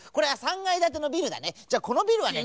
じゃこのビルはね